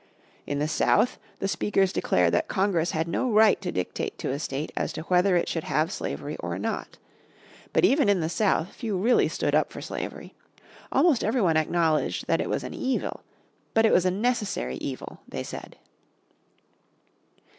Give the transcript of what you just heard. In the South the speakers declared that Congress had no right to dictate to a state as to whether it should have slavery or not. But even in the South few really stood up for slavery. Almost every one acknowledged that it was an evil. But it was a necessary evil, they said.